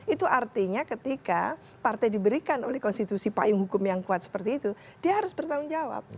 itu artinya ketika partai diberikan oleh konstitusi payung hukum yang kuat seperti itu dia harus bertanggung jawab